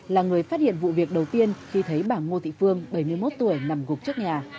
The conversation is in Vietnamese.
là người phát hiện vụ việc đầu tiên khi thấy bà ngô thị phương bảy mươi một tuổi nằm gục trước nhà